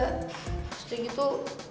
terus di gitu